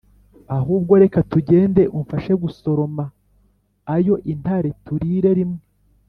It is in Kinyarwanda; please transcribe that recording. ahubwo reka tugende umfashe gusoroma ayo intare, turire rimwe.